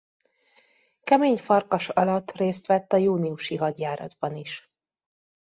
Kemény Farkas alatt részt vett a júniusi hadjáratban is.